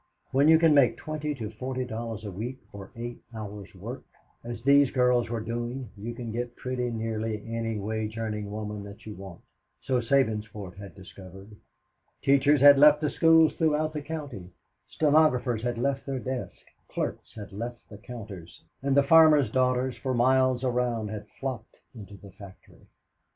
When you can make twenty to forty dollars a week, for eight hours' work, as these girls were doing, you can get pretty nearly any wage earning woman that you want, so Sabinsport had discovered. Teachers had left the schools throughout the county, stenographers had left their desks, clerks had left the counters, and the farmers' daughters for miles around had flocked into the factory.